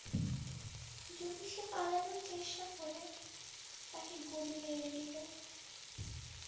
যদি সে পালানোর চেষ্টা করে, তাকে গুলি মেরে দিবে।